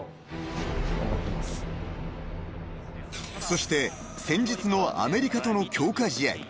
［そして先日のアメリカとの強化試合］